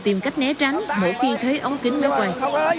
tìm cách né tránh mỗi khi thấy ống kính mới quay